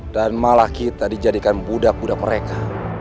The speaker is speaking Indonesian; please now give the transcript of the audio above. dan malah kita dijadikan budak budak mereka